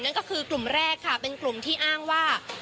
นั่นก็คือกลุ่มแรกค่ะเป็นกลุ่มที่อ้างว่า